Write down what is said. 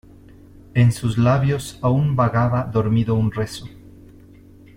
en sus labios aún vagaba dormido un rezo.